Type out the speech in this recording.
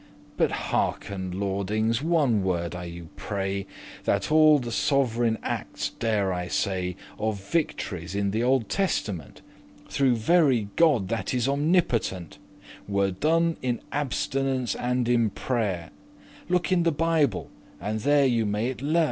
But hearken, lordings, one word, I you pray, That all the sovreign actes, dare I say, Of victories in the Old Testament, Through very God that is omnipotent, Were done in abstinence and in prayere: Look in the Bible, and there ye may it lear.